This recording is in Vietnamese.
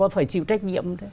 phải chịu trách nhiệm